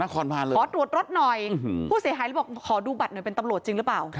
ขอตรวจรถหน่อยผู้เสียหายเลยบอกขอดูบัตรหน่อยเป็นตำรวจจริงหรือเปล่า